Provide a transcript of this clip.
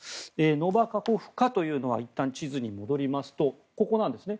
ノバカホフカというのはいったん地図に戻りますとここなんですね。